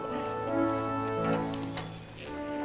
tidak ada yang nungguin